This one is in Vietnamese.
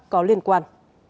có liên quan